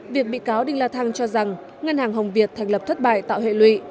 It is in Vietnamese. việc bị cáo đinh la thăng cho rằng ngân hàng hồng việt thành lập thất bại tạo hệ lụy